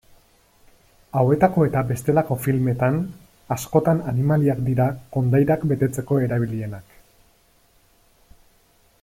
Hauetako eta bestelako filmetan, askotan animaliak dira kondairak betetzeko erabilienak.